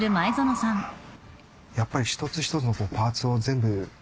やっぱり一つ一つのパーツを。